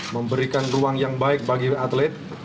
memberikan ruang yang baik bagi atlet